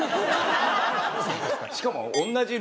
しかも。